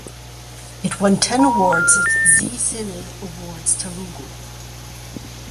It won ten awards at Zee Cine Awards Telugu.